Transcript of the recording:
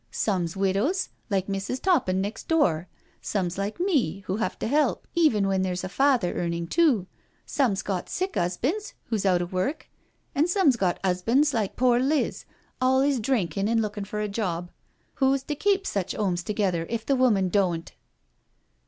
Some's widows, like Mrs. Toppin next door — some's like me, who have to help, even when there's a father eamin' too — some's got sick 'usbands who's out o' work, and some's got 'usbands like pore Liz, always drinkin' an' lookin' for a job. Who's to keep sech 'omes together if the woman doan't?"